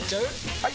・はい！